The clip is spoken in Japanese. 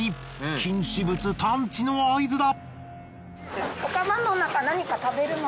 禁止物探知の合図だ。